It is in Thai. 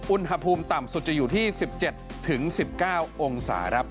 อุณหภูมิต่ำสุดจะอยู่ที่๑๗๑๙องศาครับ